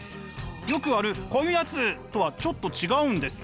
よくあるこういうやつとはちょっと違うんです。